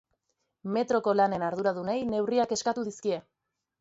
Metroko lanen arduradunei neurriak eskatu dizkie.